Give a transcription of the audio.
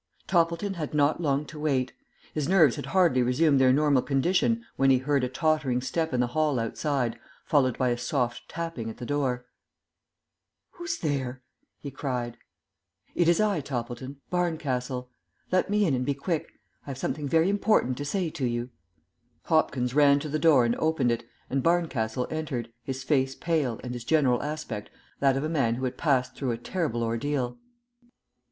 TOPPLETON had not long to wait. His nerves had hardly resumed their normal condition when he heard a tottering step in the hall outside, followed by a soft tapping at the door. "Who's there?" he cried. "It is I, Toppleton Barncastle. Let me in and be quick. I have something very important to say to you." Hopkins ran to the door and opened it, and Barncastle entered, his face pale and his general aspect that of a man who had passed through a terrible ordeal.